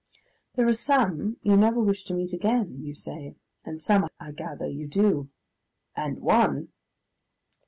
There are some you never wish to meet again, you say, and some, I gather, you do. "And One